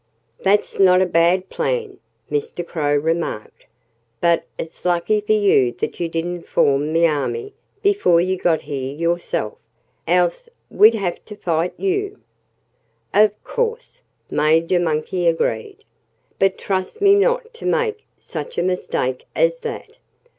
"That's not a bad plan," Mr. Crow remarked. "But it's lucky for you that you didn't form the army before you got here yourself else we'd have had to fight you." "Of course!" Major Monkey agreed. "But trust me not to make such a mistake as that."